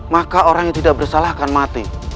maka orang yang tidak bersalah akan mati